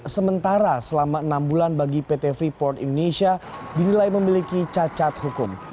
sementara selama enam bulan bagi pt freeport indonesia dinilai memiliki cacat hukum